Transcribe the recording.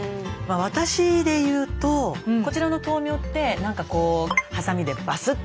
私で言うとこちらの豆苗って何かこうはさみでバスッて。